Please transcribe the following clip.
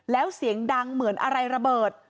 แล้วเสียงดังเหมือนอะไรระเบิด